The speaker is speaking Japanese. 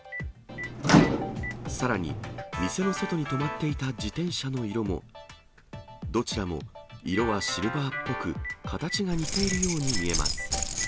さらに、店の外に止まっていた自転車の色も、どちらも色はシルバーっぽく、形が似ているように見えます。